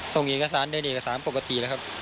ส่งเอกสารเดินเอกสารปกติแล้วครับ